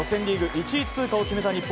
１位通過を決めた日本。